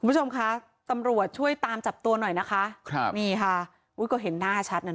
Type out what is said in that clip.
คุณผู้ชมคะตำรวจช่วยตามจับตัวหน่อยนะคะครับนี่ค่ะอุ้ยก็เห็นหน้าชัดน่ะ